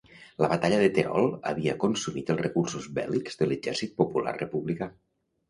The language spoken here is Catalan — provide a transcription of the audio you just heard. La batalla de Terol havia consumit els recursos bèl·lics de l'Exèrcit Popular Republicà.